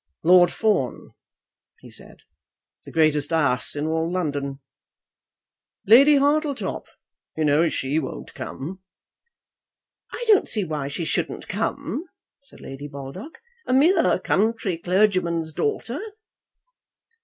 "Lord Fawn!" he said, "the greatest ass in all London! Lady Hartletop! you know she won't come." "I don't see why she shouldn't come," said Lady Baldock; "a mere country clergyman's daughter!"